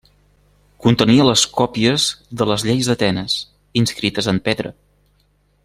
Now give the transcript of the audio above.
Contenia les còpies de les lleis d'Atenes, inscrites en pedra.